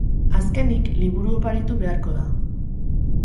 Azkenik, liburu oparitu beharko da.